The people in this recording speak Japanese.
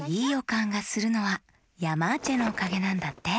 かんがするのはヤマーチェのおかげなんだって。